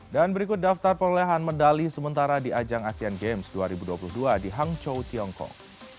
dan berikut daftar perolehan medali sementara di ajang asean games dua ribu dua puluh dua di hangzhou tiongkok